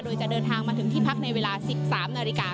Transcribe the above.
โดยจะเดินทางมาถึงที่พักในเวลา๑๓นาฬิกา